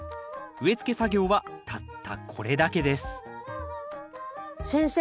植えつけ作業はたったこれだけです先生